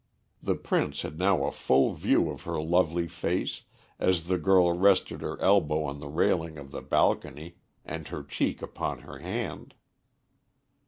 The Prince had now a full view of her lovely face, as the girl rested her elbow on the railing of the balcony, and her cheek upon her hand.